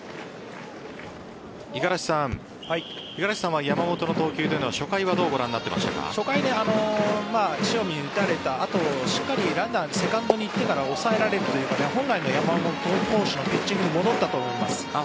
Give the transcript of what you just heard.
五十嵐さん五十嵐さんは山本の投球は初回は初回は塩見に打たれた後しっかりランナーセカンドに行ってから抑えられるというか本来の山本投手のピッチングに戻ったと思います。